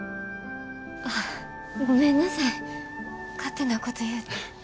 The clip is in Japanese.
ああごめんなさい勝手なこと言うて。